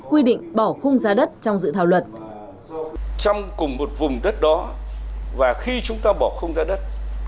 quy định bỏ khung giá đất trong dự thảo luật